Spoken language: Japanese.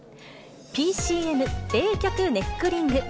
ＰＣＭ冷却ネックリング。